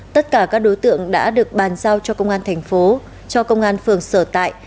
tất cả các đối tượng đã được bàn giao cho công an thành phố cho công an phường sở tại